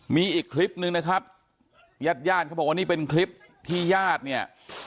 มีอีกคลิปนึงนะครับญาติญาติเขาบอกว่านี่เป็นคลิปที่ญาติเนี่ย